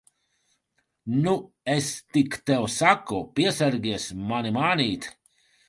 Nu, es tik tev saku, piesargies mani mānīt!